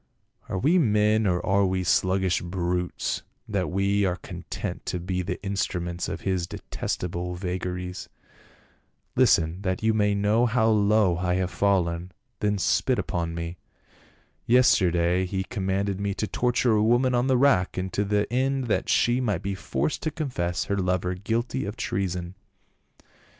"Are we men or are we sluggish brutes that we are content to be the instruments of his detest able vagaries ? Listen, that you may know how low I have fallen, then spit upon me. Yesterday he com manded me to torture a woman on the rack, to the end that she might be forced to confess her lover guilty of treason.